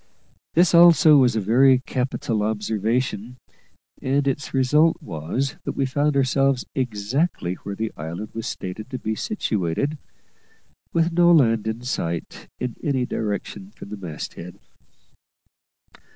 This also was a very capital observation; and its result was that we found ourselves exactly where the island was stated to be situated, with no land in sight in any direction from the mast head.